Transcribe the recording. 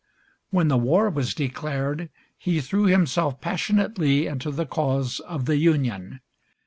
When the War was declared he threw himself passionately into the cause of the Union.